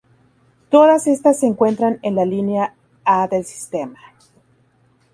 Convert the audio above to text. Todas estas se encuentran en la Línea A del sistema.